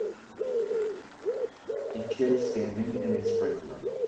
A kid standing in a sprinkler.